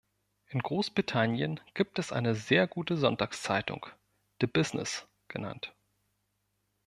In Großbritannien gibt es eine sehr gute Sonntagszeitung, "The Business" genannt.